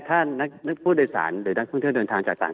ถ้านักผู้โดยสารหรือนักท่องเที่ยวเดินทางจากต่าง